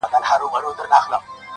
ته به د خوب په جزيره كي گراني -